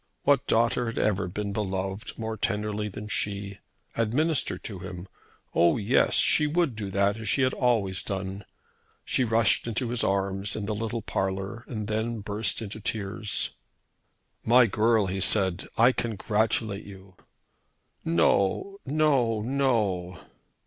What daughter had ever been beloved more tenderly than she? Administer to him! Oh yes, she would do that as she had always done. She rushed into his arms in the little parlour and then burst into tears. "My girl," he said, "I congratulate you." "No; no, no."